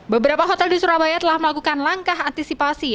beberapa hotel di surabaya telah melakukan langkah antisipasi